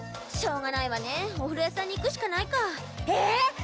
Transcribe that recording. しょうがないわねお風呂屋さんに行くしかないかええーっ？